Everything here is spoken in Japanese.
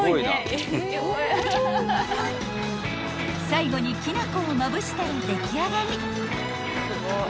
［最後にきな粉をまぶしたら出来上がり］